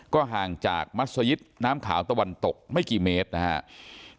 ก็ห่างจากมัศยิตน้ำขาวตะวันตกไม่กี่เมตรนะครับ